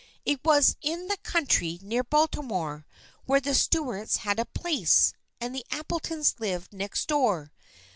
It was in the country near Baltimore, where the Stuarts had a place, and the Appletons lived next door.